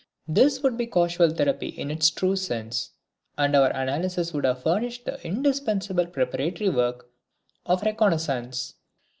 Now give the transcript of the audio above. This would be causal therapy in its true sense and our analysis would have furnished the indispensable preparatory work of reconnaissance.